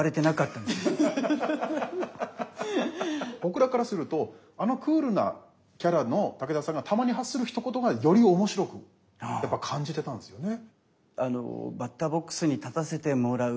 僕僕らからするとあのクールなキャラの武田さんがたまに発するひと言がより面白くやっぱ感じてたんですよね。